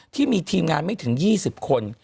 ที่มีทีมงานไม่ถึง๒๐คน